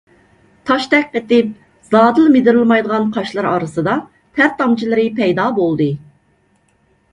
تاشتەك قېتىپ زادىلا مىدىرلىمايدىغان قاشلىرى ئارىسىدا تەر تامچىلىرى پەيدا بولدى.